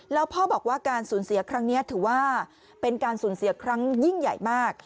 แล้วพ่อบอกว่าการสูญเสียครั้งนี้ถือว่าเป็นการสูญเสียครั้งยิ่งใหญ่มาก